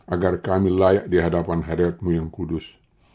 agar kami layak dihadapan hariatmu yang kudus